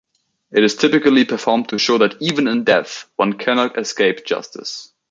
It is typically performed to show that even in death, one cannot escape justice.